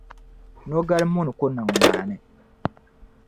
Nogal’ muni ku niŋ naani.